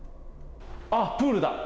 あっ、プールだ。